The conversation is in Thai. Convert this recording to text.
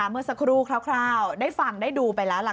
เมื่อสักครู่คร่าวได้ฟังได้ดูไปแล้วล่ะ